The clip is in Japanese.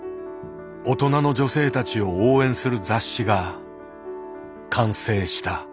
大人の女性たちを応援する雑誌が完成した。